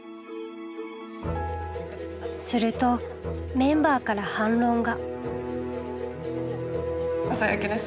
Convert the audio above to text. するとメンバーから反論が。